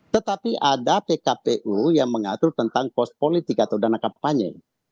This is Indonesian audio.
tetapi ada pkpu yang mengatur tentang kos politik atau dana kampanye